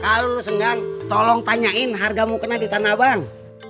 kalo lu senggang tolong tanyain harga mukena di tanah bang